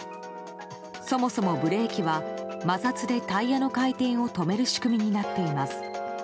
そもそもブレーキは摩擦でタイヤの回転を止める仕組みになっています。